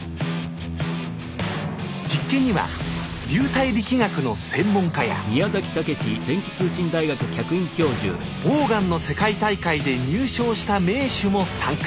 実験には流体力学の専門家やボウガンの世界大会で入賞した名手も参加。